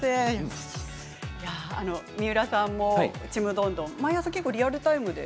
三浦さんも「ちむどんどん」リアルタイムで。